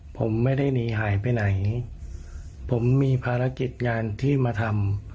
ผมไม่ได้หนีหายไปไหนผมมีภารกิจงานที่มาทำ